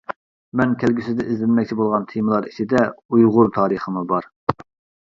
مەن كەلگۈسىدە ئىزدەنمەكچى بولغان تېمىلار ئىچىدە ئۇيغۇر تارىخىمۇ بار.